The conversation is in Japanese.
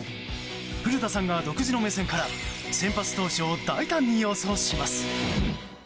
古田さんが独自の目線から先発投手を大胆に予想します。